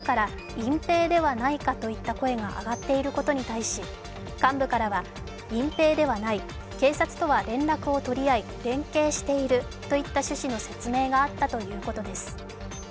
また、日大の対応について一部から隠蔽ではないかといった声が上がっていることに対し、幹部からは、隠蔽ではない、警察とは連絡を取り合い、連携しているといった趣旨の説明があったということです。